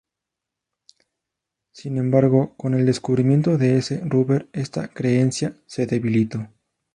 Sin embargo, con el descubrimiento de S. ruber, esta creencia se debilitó.